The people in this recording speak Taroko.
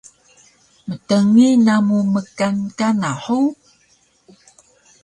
Mtngi namu mkan kana hug?